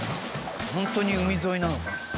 ホントに海沿いなのか。